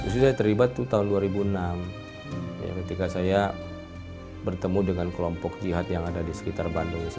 saya terlibat itu tahun dua ribu enam ketika saya bertemu dengan kelompok jihad yang ada di sekitar bandung